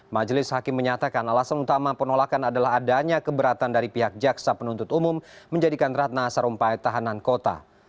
majelis hakim menyatakan alasan utama penolakan adalah adanya keberatan dari pihak jaksa penuntut umum menjadikan ratna sarumpait tahanan kota